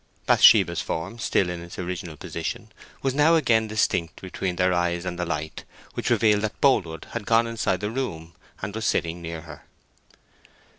Bathsheba's form, still in its original position, was now again distinct between their eyes and the light, which revealed that Boldwood had gone inside the room, and was sitting near her.